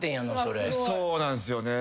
そうなんすよね。